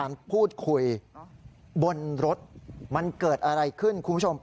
ลูกก็มีลายก็มีเนอะ